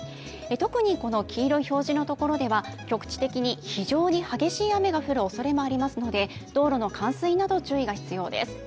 特にこの黄色い表示のところでは局地的に非常に激しい雨が降るおそれもありますので道路の冠水など注意が必要です。